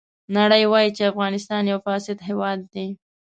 نړۍ وایي چې افغانستان یو فاسد هېواد دی.